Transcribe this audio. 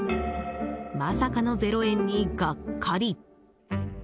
まさかのゼロ円に、がっかり。